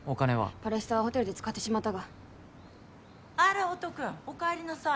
パレスタワーホテルで使ってしまったがあら音くんお帰りなさい